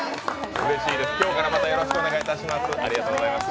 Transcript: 今日から、またよろしくお願いいたします。